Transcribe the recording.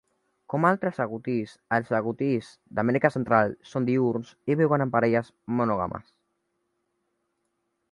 Com altres agutís, els agutís d'Amèrica Central són diürns i viuen en parelles monògames.